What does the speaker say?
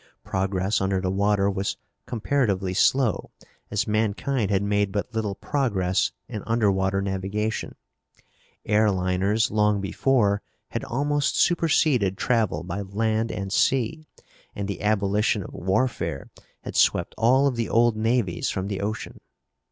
Progress under the water was comparatively slow, as mankind had made but little progress in underwater navigation. Air liners long before had almost superseded travel by land and sea and the abolition of warfare had swept all of the old navies from the ocean.